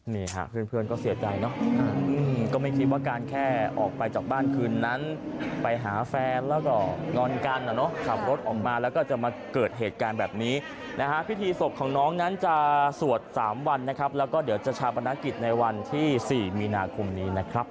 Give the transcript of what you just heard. นี่ค่ะเพื่อนก็เสียใจเนอะก็ไม่คิดว่าการแค่ออกไปจากบ้านคืนนั้นไปหาแฟนแล้วก็งอนกันนะเนาะขับรถออกมาแล้วก็จะมาเกิดเหตุการณ์แบบนี้นะฮะพิธีศพของน้องนั้นจะสวด๓วันนะครับแล้วก็เดี๋ยวจะชาปนกิจในวันที่๔มีนาคมนี้นะครับ